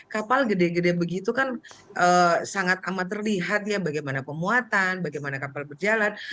kapal gede gede begitu kan sangat amat terlihat ya bagaimana pemuatan bagaimana kapal berjalan